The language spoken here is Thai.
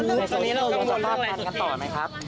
ตอนนี้เราลงจากภาพการกันต่อไหมครับ